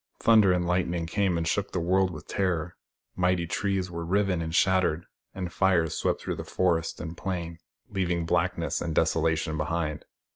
Thunder and lightning came and shook the world with terror : mighty trees were riven and shattered, and fires swept through forest and plain, leaving blackness and desolation behind.